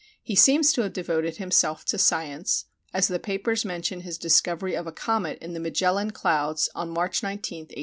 He seems to have devoted himself to science, as the papers mention his discovery of a comet in the Magellan clouds on March 19, 1830.